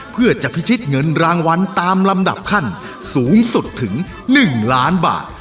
เพื่อจะพิชิตเงินรางวัลตามลำดับขั้นสูงสุดถึง๑ล้านบาท